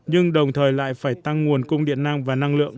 nhưng đồng thời lại phải tăng nguồn cung điện năng và năng lượng